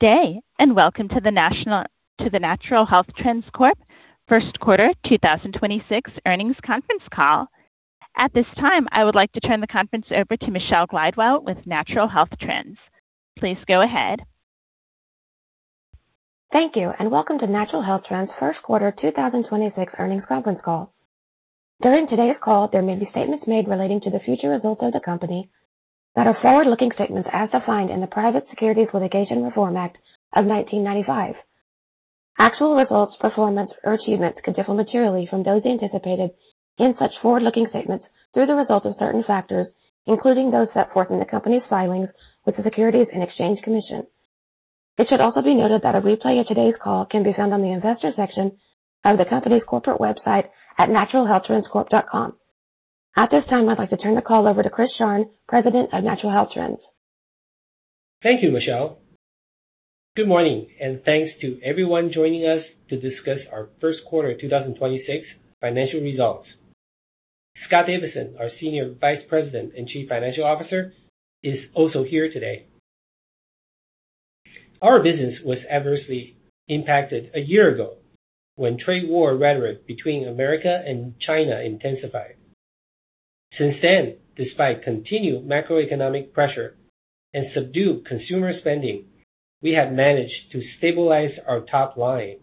Day, welcome to the Natural Health Trends Corp first quarter 2026 earnings conference call. At this time, I would like to turn the conference over to Michelle Glidewell with Natural Health Trends. Please go ahead. Thank you, and welcome to Natural Health Trends first quarter 2026 earnings conference call. During today's call, there may be statements made relating to the future results of the company that are forward-looking statements as defined in the Private Securities Litigation Reform Act of 1995. Actual results, performance or achievements could differ materially from those anticipated in such forward-looking statements through the result of certain factors, including those set forth in the company's filings with the Securities and Exchange Commission. It should also be noted that a replay of today's call can be found on the investor section of the company's corporate website at naturalhealthtrendscorp.com. At this time, I'd like to turn the call over to Chris Sharng, President of Natural Health Trends. Thank you, Michelle. Good morning, and thanks to everyone joining us to discuss our first quarter 2026 financial results. Scott Davidson, our Senior Vice President and Chief Financial Officer, is also here today. Our business was adversely impacted a year ago when trade war rhetoric between America and China intensified. Since then, despite continued macroeconomic pressure and subdued consumer spending, we have managed to stabilize our top line.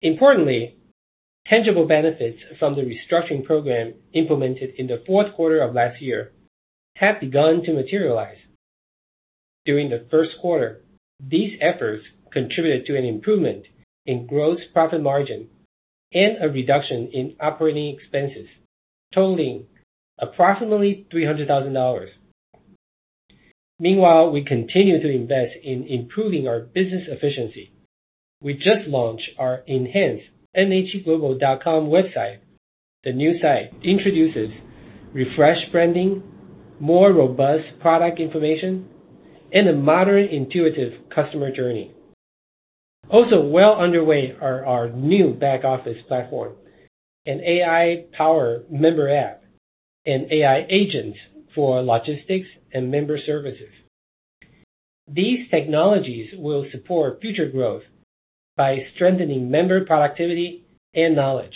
Importantly, tangible benefits from the restructuring program implemented in the fourth quarter of last year have begun to materialize. During the first quarter, these efforts contributed to an improvement in gross profit margin and a reduction in operating expenses totaling approximately $300,000. Meanwhile, we continue to invest in improving our business efficiency. We just launched our enhanced nhtglobal.com website. The new site introduces refreshed branding, more robust product information, and a modern, intuitive customer journey. Also well underway are our new back-office platform, an AI-powered member app, and AI agents for logistics and member services. These technologies will support future growth by strengthening member productivity and knowledge,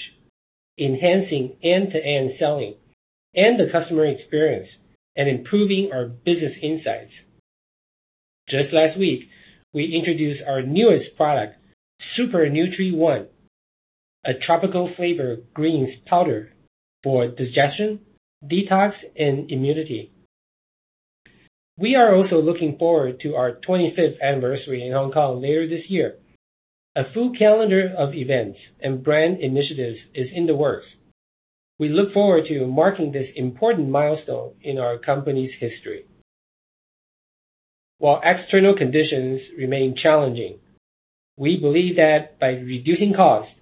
enhancing end-to-end selling and the customer experience, and improving our business insights. Just last week, we introduced our newest product, Super Nutri One, a tropical flavor greens powder for digestion, detox, and immunity. We are also looking forward to our 25th anniversary in Hong Kong later this year. A full calendar of events and brand initiatives is in the works. We look forward to marking this important milestone in our company's history. While external conditions remain challenging, we believe that by reducing costs,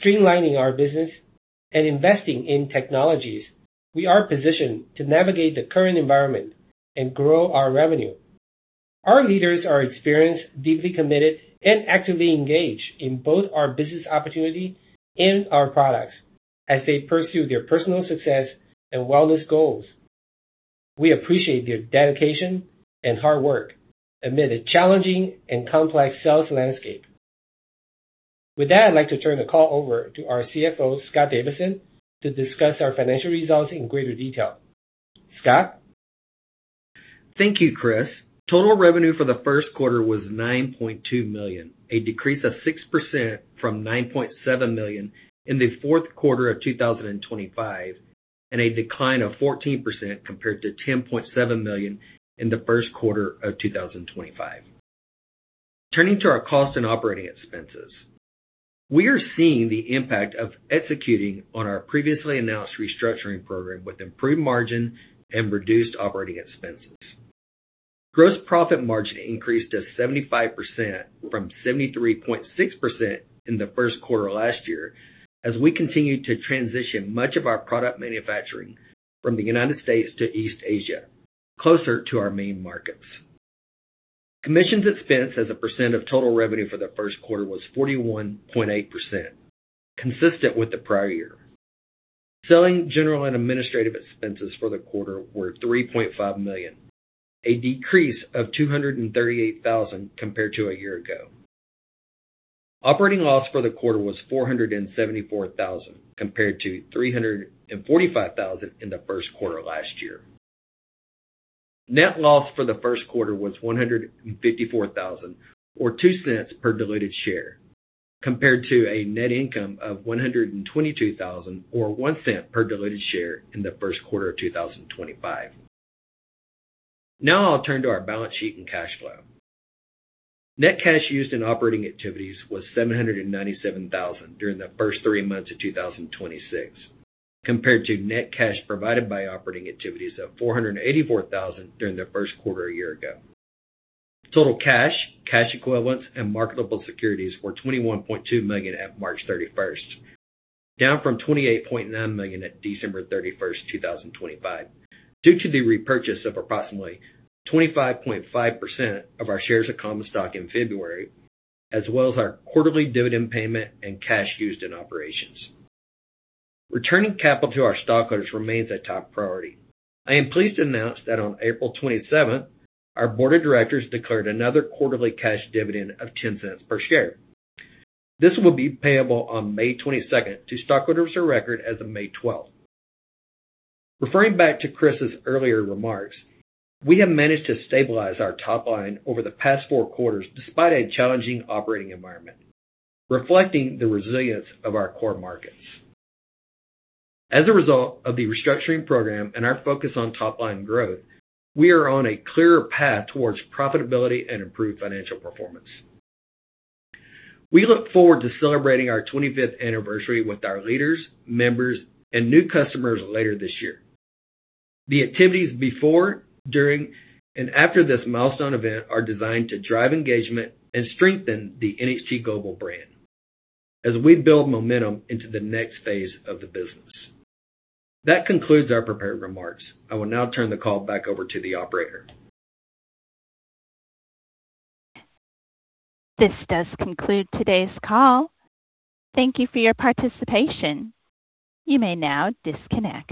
streamlining our business, and investing in technologies, we are positioned to navigate the current environment and grow our revenue. Our leaders are experienced, deeply committed, and actively engaged in both our business opportunity and our products as they pursue their personal success and wellness goals. We appreciate their dedication and hard work amid a challenging and complex sales landscape. With that, I'd like to turn the call over to our CFO, Scott Davidson, to discuss our financial results in greater detail. Scott? Thank you, Chris. Total revenue for the first quarter was $9.2 million, a decrease of 6% from $9.7 million in the fourth quarter of 2025, and a decline of 14% compared to $10.7 million in the first quarter of 2025. Turning to our cost and operating expenses. We are seeing the impact of executing on our previously announced restructuring program with improved margin and reduced operating expenses. Gross profit margin increased to 75% from 73.6% in the first quarter last year as we continued to transition much of our product manufacturing from the United States to East Asia, closer to our main markets. Commissions expense as a percent of total revenue for the first quarter was 41.8%, consistent with the prior year. Selling, general, and administrative expenses for the quarter were $3.5 million, a decrease of $238,000 compared to a year ago. Operating loss for the quarter was $474,000, compared to $345,000 in the first quarter last year. Net loss for the first quarter was $154,000 or $0.02 per diluted share, compared to a net income of $122,000 or $0.01 per diluted share in the first quarter of 2025. I'll turn to our balance sheet and cash flow. Net cash used in operating activities was $797,000 during the first three months of 2026, compared to net cash provided by operating activities of $484,000 during the first quarter a year ago. Total cash equivalents, and marketable securities were $21.2 million at March 31st, down from $28.9 million at December 31st, 2025, due to the repurchase of approximately 25.5% of our shares of common stock in February, as well as our quarterly dividend payment and cash used in operations. Returning capital to our stockholders remains a top priority. I am pleased to announce that on April 27th, our board of directors declared another quarterly cash dividend of $0.10 per share. This will be payable on May 22nd to stockholders of record as of May 12th. Referring back to Chris's earlier remarks, we have managed to stabilize our top line over the past four quarters despite a challenging operating environment, reflecting the resilience of our core markets. As a result of the restructuring program and our focus on top line growth, we are on a clearer path towards profitability and improved financial performance. We look forward to celebrating our 25th anniversary with our leaders, members, and new customers later this year. The activities before, during, and after this milestone event are designed to drive engagement and strengthen the NHT Global brand as we build momentum into the next phase of the business. That concludes our prepared remarks. I will now turn the call back over to the operator. This does conclude today's call. Thank you for your participation. You may now disconnect.